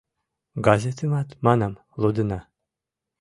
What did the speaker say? Газетымат, манам, лудына.